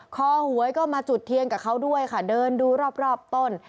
หวยก็มาจุดเทียนกับเขาด้วยค่ะเดินดูรอบต้น